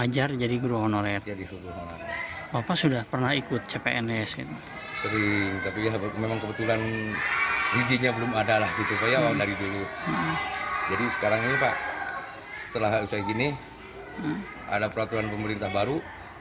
jadi sekarang ini pak setelah hal seperti ini ada peraturan pemerintah baru